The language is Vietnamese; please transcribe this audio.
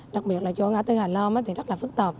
đặc biệt là chỗ ngã tư hà long thì rất là phức tạp